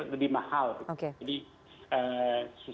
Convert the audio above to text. lebih mahal jadi